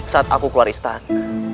saat aku keluar istana